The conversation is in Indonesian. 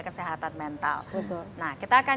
kesehatan mental nah kita akan